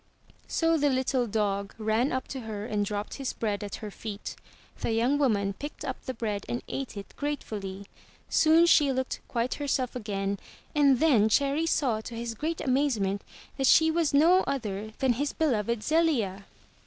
*' So the little dog ran up to her and dropped his bread at her feet. The young woman picked up the bread and ate it grate fully. Soon she looked quite herself again, and then Cherry saw to his great amazement that she was no other than his be loved Zelia.